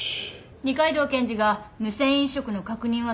二階堂検事が無銭飲食の確認は取れたかと。